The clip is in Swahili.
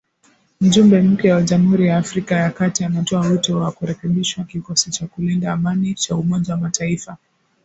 Mjumbe mpya wa Jamuhuri ya Afrika ya Kati anatoa wito wa kurekebishwa kikosi cha kulinda amani cha Umoja wa Mataifa